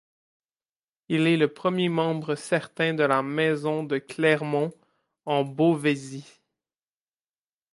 Il est le premier membre certain de la maison de Clermont-en-Beauvaisis.